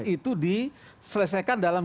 itu diselesaikan dalam